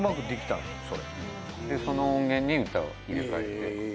でその音源に歌を入れ替えて。